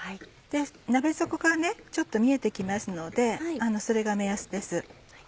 鍋底がちょっと見えて来ますのでそれが目安です。